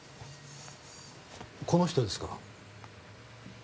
この人ですか？